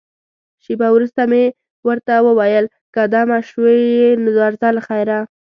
شېبه وروسته مې ورته وویل، که دمه شوې یې، نو درځه له خیره.